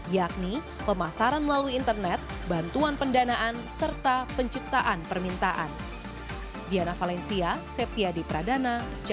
yakni pemasaran melalui internet bantuan pendanaan serta penciptaan permintaan